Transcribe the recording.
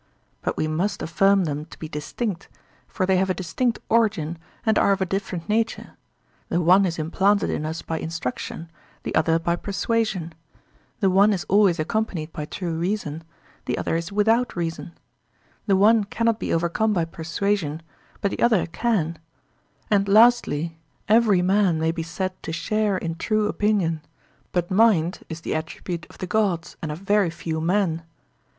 But we must affirm them to be distinct, for they have a distinct origin and are of a different nature; the one is implanted in us by instruction, the other by persuasion; the one is always accompanied by true reason, the other is without reason; the one cannot be overcome by persuasion, but the other can: and lastly, every man may be said to share in true opinion, but mind is the attribute of the gods and of very few men.